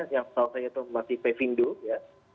yang salah satunya itu masih pevindo ya